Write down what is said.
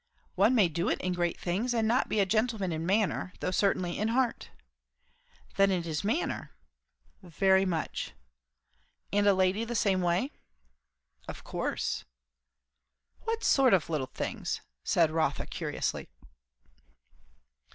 "One may do it in great things, and not be a gentleman in manner; though certainly in heart." "Then it is manner?" "Very much." "And a lady the same way?" "Of course." "What sort of little things?" said Rotha curiously.